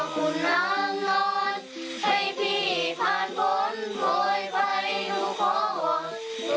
กำลังรอการกลับมาของพี่อยู่นะคะ